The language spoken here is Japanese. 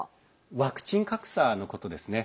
ワクチン格差のことですね。